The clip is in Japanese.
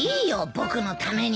僕のためにも。